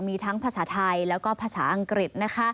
มีทั้งภาษาไทยแล้วก็ภาษาอังกฤษ